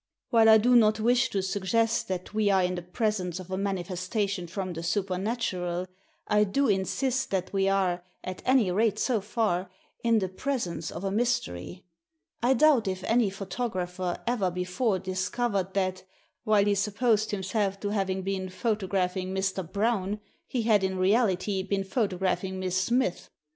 " While I do not wish to suggest that we are in the presence of a manifestation from the supernatural, I do insist that we are, at any rate so far, in the presence of a mystery. I doubt if any photographer ever before discovered that, while he supposed him self to having been photographing Mr. Brown, he had, in reality, been photographing Miss Smith.